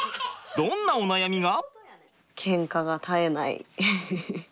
どんなお悩みが？